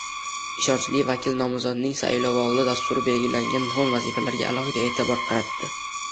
Ishonchli vakil nomzodning Saylovoldi dasturida belgilangan muhim vazifalarga alohida e’tibor qaratdi